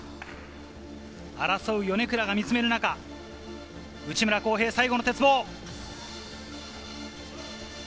争う米倉が見つめる中、内村航平、最後の鉄棒。